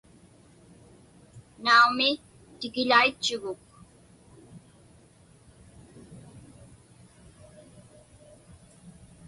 Naumi, tikiḷaitchuguk.